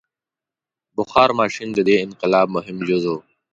• بخار ماشین د دې انقلاب مهم جز و.